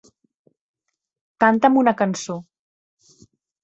Canta'm una cançó.